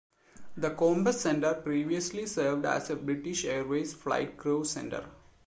The Compass Centre previously served as a British Airways flight crew centre.